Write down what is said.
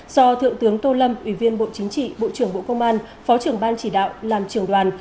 do thượng tướng tô lâm ủy viên bộ chính trị bộ trưởng bộ công an phó trưởng ban chỉ đạo làm trưởng đoàn